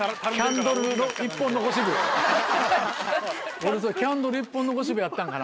俺キャンドル１本残し部やったんかな？